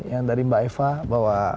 yang dari mbak eva bahwa